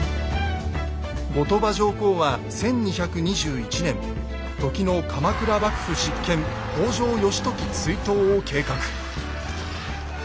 後鳥羽上皇は１２２１年時の鎌倉幕府執権北条義時追討を計画。